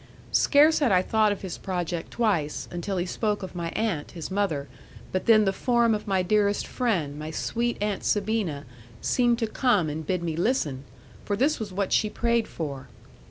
Scarce had I thought of his project twice, until he spoke of my aunt, his mother, but then the form of my dearest friend, my sweet Aunt Sabina, seemed to come and bid me listen, for this was what she prayed for.